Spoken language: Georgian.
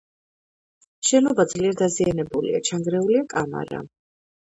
შენობა ძლიერ დაზიანებულია, ჩანგრეულია კამარა.